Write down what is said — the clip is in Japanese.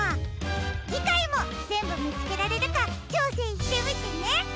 じかいもぜんぶみつけられるかちょうせんしてみてね！